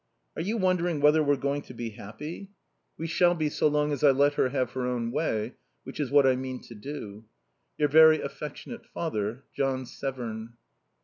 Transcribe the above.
Are you wondering whether we're going to be happy? We shall be so long as I let her have her own way; which is what I mean to do. Your very affectionate father, JOHN SEVERN.